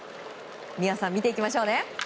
美和さん、見ていきましょうね。